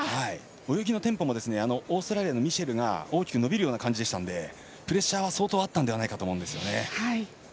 泳ぎのテンポもオーストラリアのミシェルが大きく伸びるような形でしたのでプレッシャーは相当あったと思うんですよね。